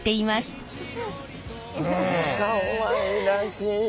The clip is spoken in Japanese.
かわいらしい。